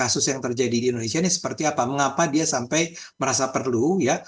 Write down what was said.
seperti apa mengapa dia sampai merasa perlu ya